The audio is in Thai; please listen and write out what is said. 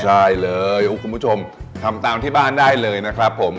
ใช่เลยคุณผู้ชมทำตามที่บ้านได้เลยนะครับผม